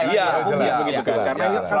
ya begitu karena